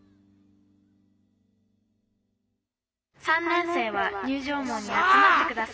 「３年生は入場門に集まってください」。